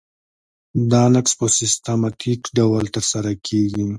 دا نقض په سیستماتیک ډول ترسره کیږي.